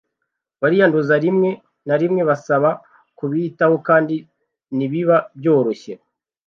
bariyanduza rimwe na rimwe basaba kubitaho kandi ntibiba byoroshye